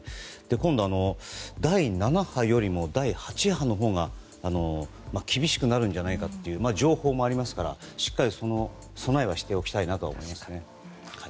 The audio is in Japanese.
今度は第７波よりも第８波のほうが厳しくなるんじゃないかという情報もありますから、しっかり備えはしておきたいと思います。